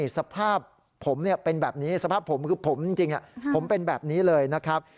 สภาพผมคือผมจริงผมเป็นแบบนี้เลยนะครับ